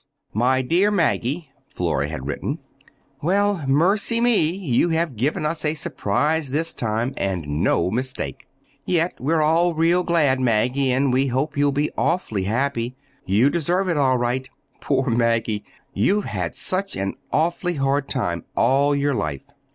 MY DEAR MAGGIE (Flora had written): Well, mercy me, you have given us a surprise this time, and no mistake! Yet we're all real glad, Maggie, and we hope you'll be awfully happy. You deserve it, all right. Poor Maggie! You've had such an awfully hard time all your life!